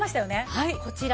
はいこちら。